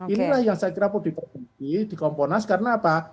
inilah yang saya kira perlu diperbaiki di komponas karena apa